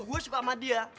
gue suka sama dia